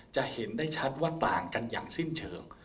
จะเห็นได้ชัดว่าต่างกันอย่างสิ้นเชิง